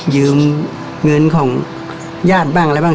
ยืมเงินของย่านบ้าง